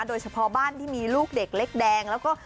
โดยเฉพาะบ้านที่มีลูกเด็กเล็กแดงแล้วก็